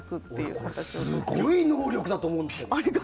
俺、これすごい能力だと思うんですけど。